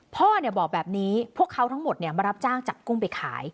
พ่อบอกแบบนี้พวกเขาทั้งหมดมารับจ้างจับกุ้งไปขาย